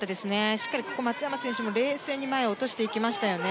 しっかりここ、松山選手も冷静に前に落としていきましたよね。